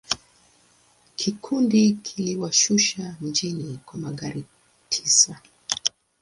Kikundi kiliwashusha mjini kwa magari tisa.